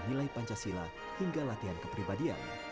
nilai pancasila hingga latihan kepribadian